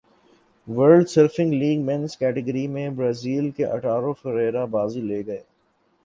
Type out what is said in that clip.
world surfing league men's category میں Brazil کے Italo Ferreira بازی لے گئے